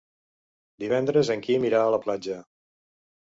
Divendres en Quim irà a la platja.